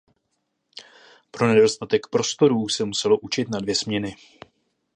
Pro nedostatek prostorů se muselo učit na dvě směny.